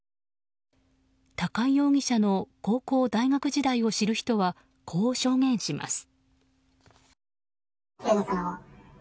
高井容疑者の高校、大学時代を知る人はこう証言します。